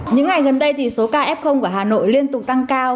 những ngày gần đây số ca f của hà nội liên tục tăng cao